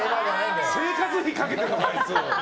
生活費かけてるぞ、あいつ。